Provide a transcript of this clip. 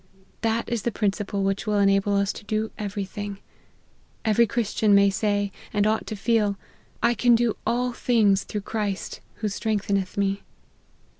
That is the principle which will enable us to do every thing. Every Christian may say, and ought to feel, " I can do all things through Christ, who strengtheneth me."